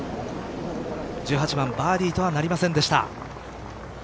１８番バーディーとはなりませんでした。